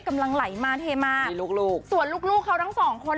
กำลังไหลมาเทมามีลูกลูกส่วนลูกลูกเขาทั้งสองคน